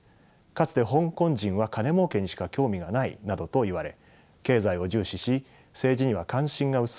かつて香港人は金儲けにしか興味がないなどといわれ経済を重視し政治には関心が薄いといわれてきました。